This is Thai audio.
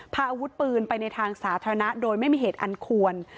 พาอาวุธปืนไปในทางสาธารณะโดยไม่มีเหตุอันควร